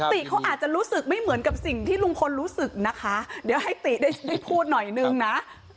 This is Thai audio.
ติเขาอาจจะรู้สึกไม่เหมือนกับสิ่งที่ลุงพลรู้สึกนะคะเดี๋ยวให้ติได้พูดหน่อยนึงนะ